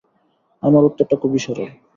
আমার উত্তরটা খুবই সরল।